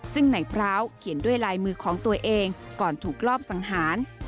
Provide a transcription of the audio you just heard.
ซึ่งนายพร้าวเขียนด้วยลายมือของตัวเองก่อนถูกรอบสังหาร